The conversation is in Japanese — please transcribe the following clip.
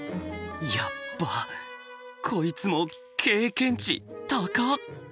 やっばあこいつも経験値高！